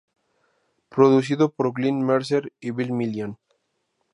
Producido por Glenn Mercer y Bill Million.